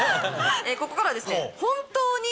ここからはですね。